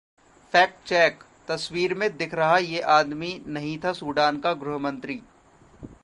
fact check: तस्वीर में दिख रहा ये आदमी नहीं था सूडान का गृहमंत्री